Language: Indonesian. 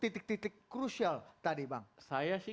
laka laka mitigasi yang tadi langsung diimplementasikan